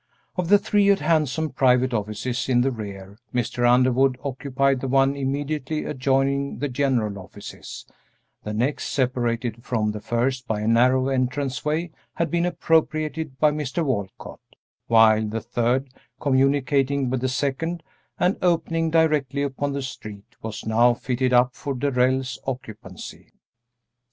Of the three handsome private offices in the rear Mr. Underwood occupied the one immediately adjoining the general offices; the next, separated from the first by a narrow entrance way, had been appropriated by Mr. Walcott, while the third, communicating with the second and opening directly upon the street, was now fitted up for Darrell's occupancy.